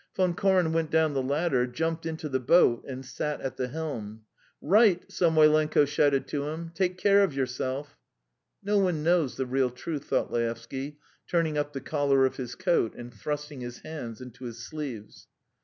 Von Koren went down the ladder, jumped into the boat, and sat at the helm. "Write!" Samoylenko shouted to him. "Take care of yourself." "No one knows the real truth," thought Laevsky, turning up the collar of his coat and thrusting his hands into his sleeves.